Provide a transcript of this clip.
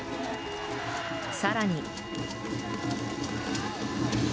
更に。